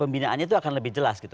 pembinaannya itu akan lebih jelas gitu